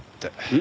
ん？